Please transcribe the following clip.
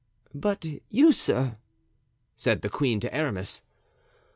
"But you, sir?" said the queen to Aramis.